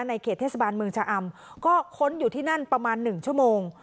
เขตเทศบาลเมืองชะอำก็ค้นอยู่ที่นั่นประมาณ๑ชั่วโมง